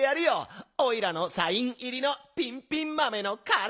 おいらのサインいりのピンピンまめのから。